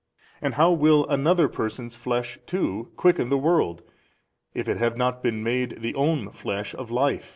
and how will another person's flesh too quicken the world, if it have not been made the own flesh of Life, i.